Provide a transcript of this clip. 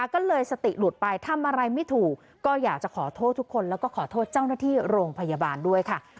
ก็เลยสติหลุดไปทำอะไรไม่ถูกก็อยากจะขอโทษทุกคนแล้วก็ขอโทษเจ้าหน้าที่โรงพยาบาลด้วยค่ะ